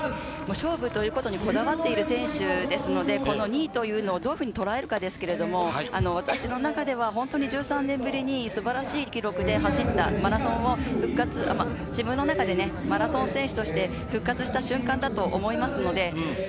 勝負ということにこだわっている選手なので、２位というのをどうとらえるかですけど、私の中では本当に１３年ぶりに素晴らしい記録で走ったマラソンを自分の中でマラソン選手として復活した瞬間だと思います。